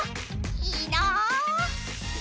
いいな！